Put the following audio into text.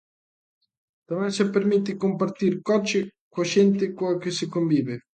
Tamén se permite compartir coche coa xente coa que se convive.